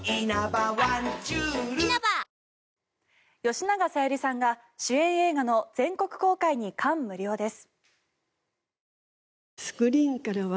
吉永小百合さんが主演映画の全国公開に感無量です。